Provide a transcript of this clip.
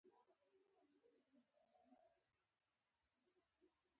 زړه ته به غټه تیګه کېږدم.